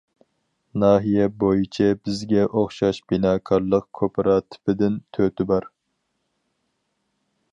ناھىيە بويىچە بىزگە ئوخشاش بىناكارلىق كوپىراتىپىدىن تۆتى بار.